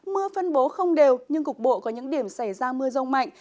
mưa phân bố không đều nhưng cục bộ có những điểm xảy ra mưa rông mạnh